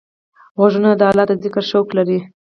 غوږونه د الله د ذکر شوق لري